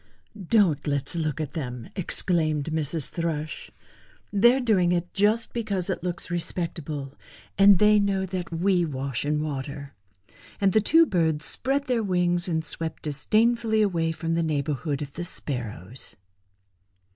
"Don't let's look at them," exclaimed Mrs. Thrush. "They are doing it just because it looks respectable, and they know that we wash in water;" and the two birds spread their wings and swept disdainfully away from the neighborhood of the Sparrows.